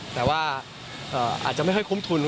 แต่ว่าอาจจะไม่ค่อยคุ้มทุน